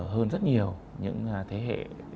hơn rất nhiều những thế hệ